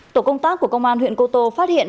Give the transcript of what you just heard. tổ công tác của công an huyện cô tô phát hiện